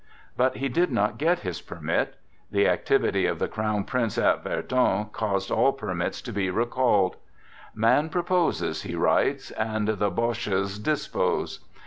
" But he did not get his permit. The activity of the Crown Prince at Verdun caused all permits to be recalled. " Man proposes," he writes, " and the Boches dispose."